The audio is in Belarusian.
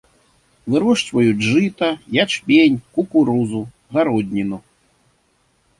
Вырошчваюць жыта, ячмень, кукурузу, гародніну.